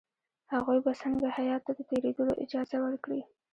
هغوی به څنګه هیات ته د تېرېدلو اجازه ورکړي.